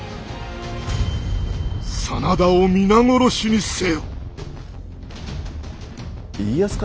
「真田を皆殺しにせよ」。